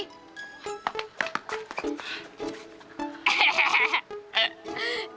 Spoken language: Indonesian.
eh bu bu bu